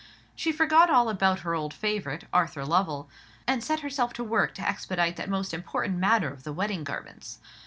She forgot all about her old favourite, Arthur Lovell, and set herself to work to expedite that most important matter of the wedding garments.